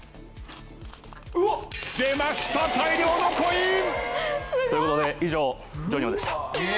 出ました大量のコイン。ということで以上ＪＯＮＩＯでした。